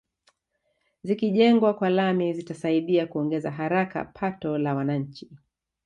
Zikijengwa kwa lami zitasaidia kuongeza haraka pato la wananchi